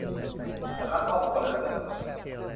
ฉันรักครอบครัวและเพื่อนเสมอ